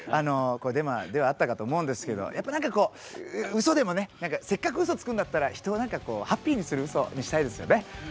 デマではあったかと思うんですけどやっぱ何かこうウソでもねせっかくウソつくんだったら人をハッピーにするウソにしたいですよね。